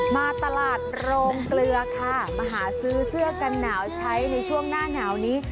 มาตลาดโรงเกลือค่ะมาหาซื้อเสื้อกันหนาวใช้ในช่วงหน้าหนาวนี้